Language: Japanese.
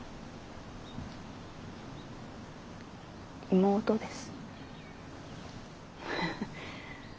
妹です。